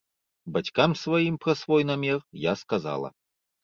Бацькам сваім пра свой намер я сказала.